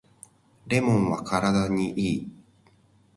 レモンは体にいい